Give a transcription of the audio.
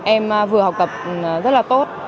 em vừa học tập rất là tốt